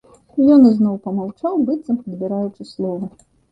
Ён ізноў памаўчаў, быццам падбіраючы словы.